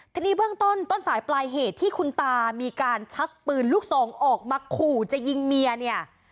ทีนี้เบื้องต้นต้นสายปลายเหตุที่คุณตามีการชักปืนลูกซองออกมาขู่จะยิงเมียเนี่ย